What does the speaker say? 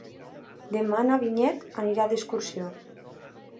Demà na Vinyet anirà d'excursió.